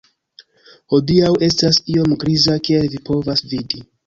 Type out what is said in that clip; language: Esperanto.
Hodiaŭ estas iom griza kiel vi povas vidi